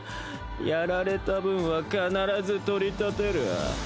やられた分は必ず取り立てる。